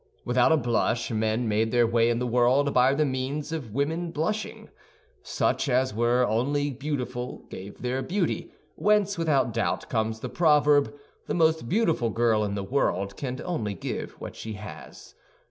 Without a blush, men made their way in the world by the means of women blushing. Such as were only beautiful gave their beauty, whence, without doubt, comes the proverb, "The most beautiful girl in the world can only give what she has."